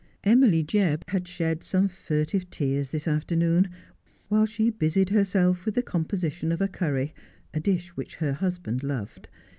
Emily Jebb had shed some furtive tears this afternoon, while she busied herself with the composition of a curry, a dish which her husband loved.